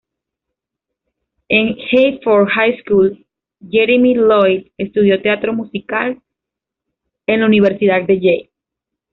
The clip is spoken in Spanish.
En Haverford High School, Jeremy Lloyd estudió teatro musical en la Universidad de Yale.